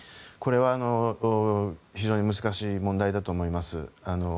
これは非常に難しい問題だと思います。